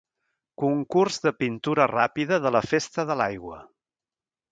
Concurs de Pintura Ràpida de la Festa de l'Aigua.